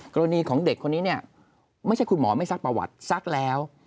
กรณีของเด็กคนนี้เนี่ยไม่ใช่คุณหมอไม่ซักประวัติซักแล้ว